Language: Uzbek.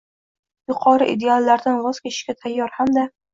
“yuqori ideallardan” voz kechishga tayyor hamda